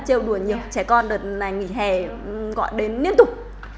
là trêu đùa nhiều trẻ con đợt này nghỉ hè gọi đến liên tục